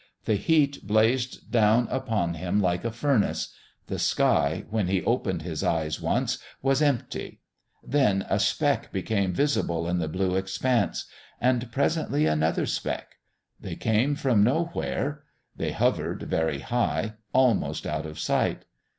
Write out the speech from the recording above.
The heat blazed down upon him like a furnace.... The sky, when he opened his eyes once, was empty ... then a speck became visible in the blue expanse; and presently another speck. They came from nowhere. They hovered very high, almost out of sight.